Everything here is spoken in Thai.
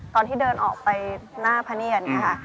ตอนที่เดินออกไปหน้าพะเนียนค่ะ